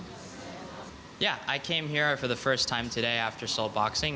ya saya datang ke sini pertama kali hari ini setelah soul boxing